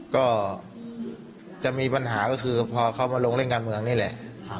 ก็จะมีปัญหาก็คือพอเขามาลงเล่นการเมืองนี่แหละ